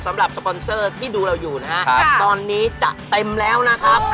สำหรับสปอนเซอร์ที่ดูเราอยู่นะครับตอนนี้จะเต็มแล้วนะครับ